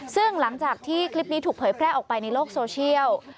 ซึ่งหลังจากที่คลิปนี้ถูกเผยแพร่ออกไปในโลกโซเชียล